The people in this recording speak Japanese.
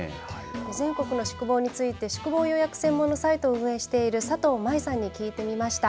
全国の宿坊について宿坊予約専門サイトを運営している佐藤真衣さんに聞いてみました。